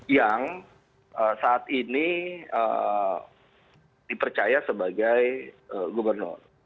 yang saat ini dipercaya sebagai gubernur